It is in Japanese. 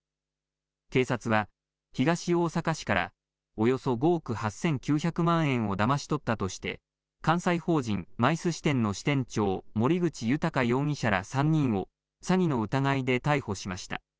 警察は東大阪市からおよそ５億８９００万円をだまし取ったとして関西法人ＭＩＣＥ支店の支店長、森口裕容疑者ら３人を詐欺の疑いで逮捕しました。